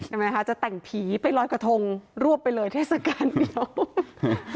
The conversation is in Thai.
ใช่ไหมคะจะแต่งผีไปลอยกระทงรวบไปเลยเทศกาลเดียว